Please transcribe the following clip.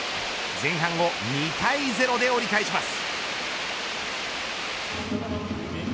前半を２対０で折り返します。